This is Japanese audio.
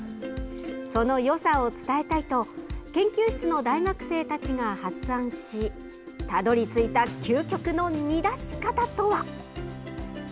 そのよさを伝えたいと研究室の大学生たちが発案したどり着いた究極の煮出し方とは。